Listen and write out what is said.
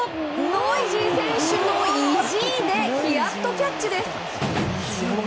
ノイジー選手の意地でヒヤッとキャッチです。